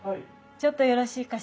ちょっとよろしいかしら？